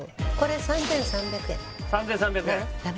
３３００円ダメ？